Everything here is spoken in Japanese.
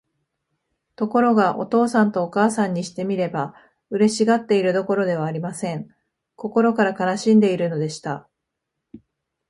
ところが、お父さんとお母さんにしてみれば、嬉しがっているどころではありません。心から悲しんでいるのでした。